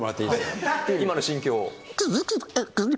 今の心境を。